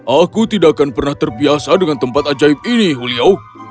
aku tidak akan pernah terbiasa dengan tempat ajaib ini mulia